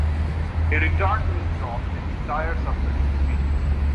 He returned to his job making tires after his defeat.